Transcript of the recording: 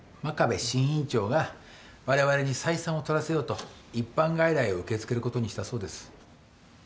真壁新院長が我々に採算を取らせようと一般外来を受け付けることにしたそうです。